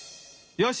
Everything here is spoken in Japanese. よし！